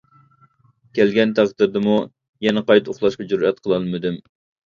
كەلگەن تەقدىردىمۇ يەنە قايتا ئۇخلاشقا جۈرئەت قىلالمىدىم.